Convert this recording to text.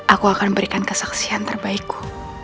aku akan memberikan kesaksian terbaikku